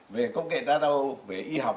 về công nghệ nano về y học